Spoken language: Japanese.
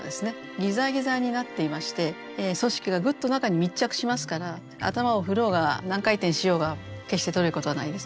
ギザギザになっていまして組織がグッと中に密着しますから頭を振ろうが何回転しようが決して取れることはないです。